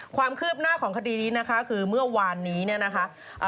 ความคืบหน้าของคดีนี้นะคะคือเมื่อวานนี้เนี่ยนะคะ